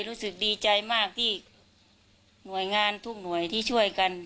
รู้สึกดีใจมากที่หน่วยงานทุกหน่วยที่ช่วยกัน